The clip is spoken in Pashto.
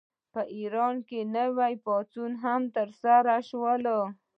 په ایران کې نور پاڅونونه هم ترسره شول.